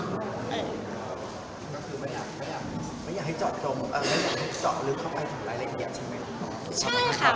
คือไม่อยากให้เจาะลึกเข้าไปถึงรายละเอียดใช่ไหม